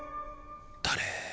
誰。